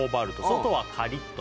「外はカリッと」